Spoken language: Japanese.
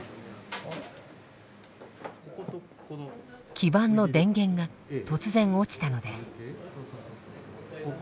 基板の電源が突然落ちたのです。